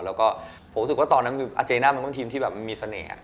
แล้วก็ผมรู้สึกว่าตอนนั้นอาเจน่ามันเป็นทีมที่แบบมีเสน่ห์